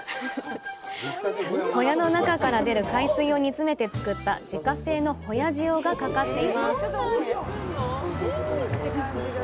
ほやの中から出る海水を煮詰めて作った自家製のほや塩がかかっています。